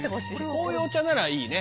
こういうお茶ならいいね。